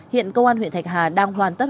hiện công an huyện thạch hà đang hoàn tất